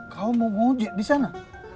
kau mau ngunci di sana